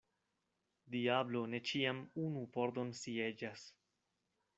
Diablo ne ĉiam unu pordon sieĝas.